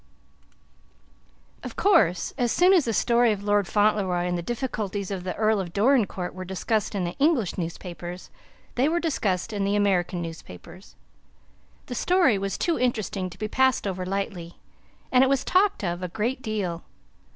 XIII OF course, as soon as the story of Lord Fauntleroy and the difficulties of the Earl of Dorincourt were discussed in the English newspapers, they were discussed in the American newspapers. The story was too interesting to be passed over lightly, and it was talked of a great deal.